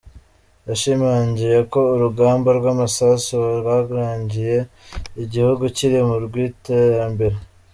Yashimangiye ko urugamba rw’amasasu rwarangiye igihugu kiri mu rw’iterambere.